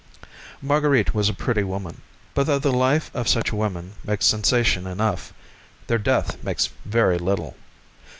Marguerite was a pretty woman; but though the life of such women makes sensation enough, their death makes very little.